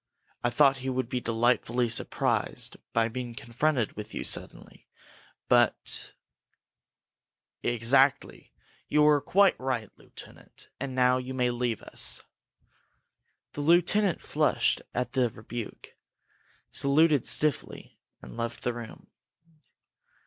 I thought he would be delightfully surprised by being confronted with you suddenly. But " "Exactly! You were quite right, lieutenant. And now you may leave us!" The lieutenant flushed at the rebuke, saluted stiffly, and left the room.